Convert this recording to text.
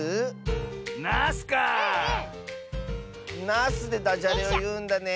ナスでダジャレをいうんだね！